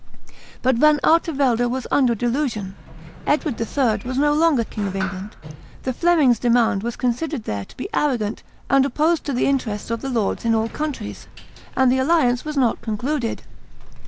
But Van Artevelde was under a delusion; Edward III. was no longer King of England; the Flemings' demand was considered there to be arrogant and opposed to the interests of the lords in all countries; and the alliance was not concluded.